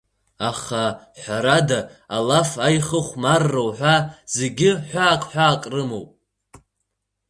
Аха, ҳәарада, алаф, аихыхәмарра уҳәа зегьы ҳәаак-ҳәаак рымоуп.